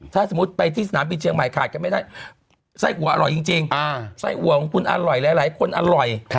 ถ้าสมมุติไปที่สนามบินเชียงใหม่ขาดกันไม่ได้ไส้อัวอร่อยจริงไส้อัวของคุณอร่อยหลายคนอร่อย